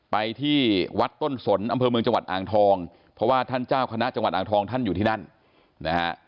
ไปที่วัดต้นสนอำเภอเมืองจังหวัดอ่างทองเพราะว่าท่านเจ้าคณะจังหวัดอ่างทองท่านอยู่ที่นั่นนะฮะ